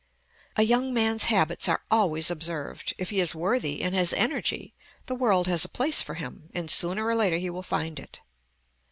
A young man's habits are always observed. If he is worthy, and has energy, the world has a place for him, and sooner or later he will find it.